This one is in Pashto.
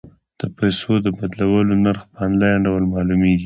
د پيسو د بدلولو نرخ په انلاین ډول معلومیږي.